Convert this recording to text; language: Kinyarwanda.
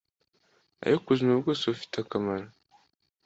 Ariko ubuzima bwose bufite akamaro,